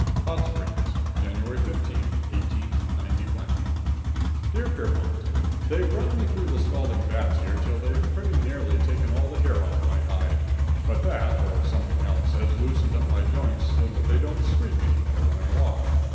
|++ VIII HOT SPRINGS, January 15, 189 Dear Pierrepont: They've run me through the scalding vats here till they've pretty nearly taken all the hair off my hide, but that or something else has loosened up my joints so that they don't squeak any more when I walk.